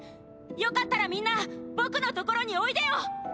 よかったらみんな僕の所においでよ！！